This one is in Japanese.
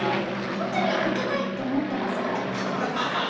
本当にウケたいって思ってますか？